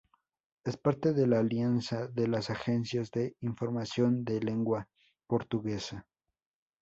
Es parte de la Alianza de las Agencias de Información de Lengua Portuguesa.